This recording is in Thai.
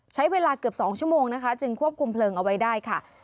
ใช้เวลาเกือบ๒ชั่วโมงนะคะจึงควบคุมเพลิงเอาไว้ได้ค่ะ